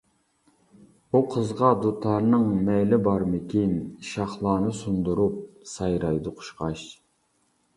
ئۇ قىزغا دۇتارنىڭ مەيلى بارمىكىن، شاخلارنى سۇندۇرۇپ سايرايدۇ قۇچقاچ.